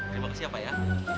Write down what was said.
terima kasih pak ya